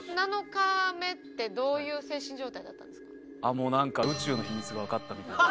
もうなんか宇宙の秘密がわかったみたいな。